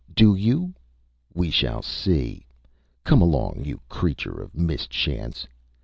Do you? We shall see! Come along, you creature of mischance!